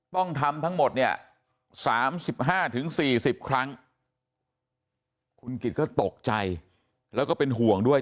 ต้องทำทั้งหมดเนี่ย๓๕๔๐ครั้งคุณกิจก็ตกใจแล้วก็เป็นห่วงด้วย